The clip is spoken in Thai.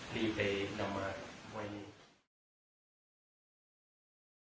เดี๋ยวย่อมด้วยด้วยครับ